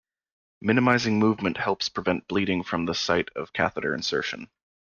Minimizing movement helps prevent bleeding from the site of catheter insertion.